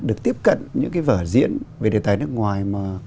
được tiếp cận những cái vở diễn về đề tài nước ngoài mà